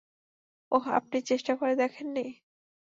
ওহ, আপনি চেষ্টা করে দেখেন নি?